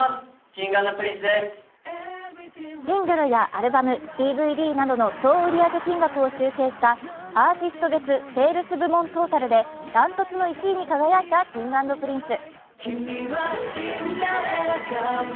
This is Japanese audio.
シングルやアルバム、ＤＶＤなどの総売り上げ金額を集計したアーティスト別セールス部門トータルで断トツの１位に輝いたＫｉｎｇ＆Ｐｒｉｎｃｅ。